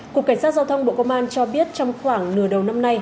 cục cảnh sát giao thông bộ công an cho biết trong khoảng nửa đầu năm nay